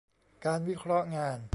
การวิเคราะห์งาน